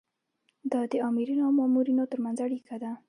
دا د آمرینو او مامورینو ترمنځ اړیکه ده.